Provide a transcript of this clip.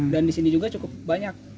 di sini juga cukup banyak